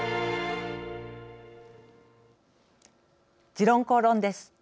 「時論公論」です。